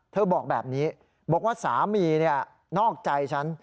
บอกแบบนี้บอกว่าสามีนอกใจฉัน